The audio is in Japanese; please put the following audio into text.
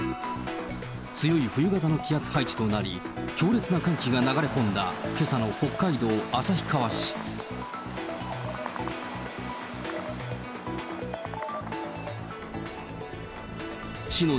強い冬型の気圧配置となり、強烈な寒気が流れ込んだけさの北海道旭川市。